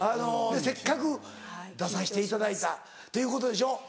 せっかく出させていただいたということでしょ？